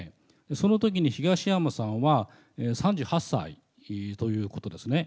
そのときに東山さんは、３８歳ということですね。